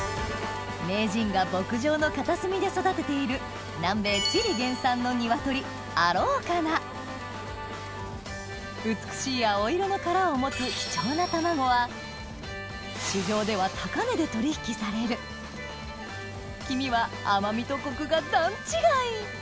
名人が牧場の片隅で育てている南米チリ原産のニワトリアローカナ美しい青色の殻を持つ貴重な卵は市場では高値で取引される黄身は甘みとコクが段違い！